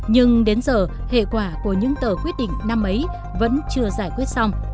nhưng đến giờ hệ quả của những tờ quyết định năm ấy vẫn chưa giải quyết xong